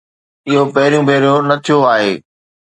اهو پهريون ڀيرو نه ٿيو آهي.